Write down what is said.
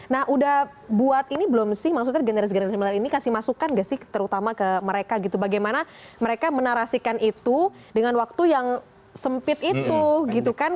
nah udah buat ini belum sih maksudnya generasi generasi milenial ini kasih masukan gak sih terutama ke mereka gitu bagaimana mereka menarasikan itu dengan waktu yang sempit itu gitu kan